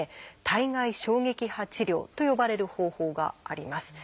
「体外衝撃波治療」と呼ばれる方法があります。